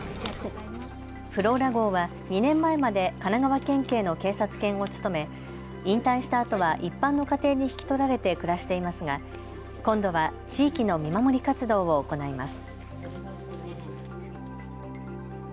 フローラ号は２年前まで神奈川県警の警察犬を務め引退したあとは一般の家庭に引き取られて暮らしていますが今度は地域の見守り活動を行います。